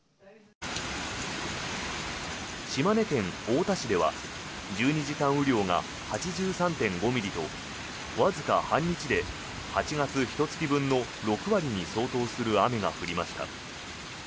島根県大田市では１２時間雨量が８３．５ミリとわずか半日で８月ひと月分の６割に相当する雨が降りました。